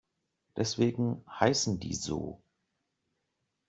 Deswegen heißen die so.